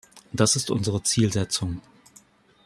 Das ist unsere Zielsetzung.